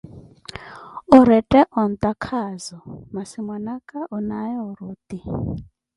Orette ontakhazo, masi mwana aka onaawe oruti!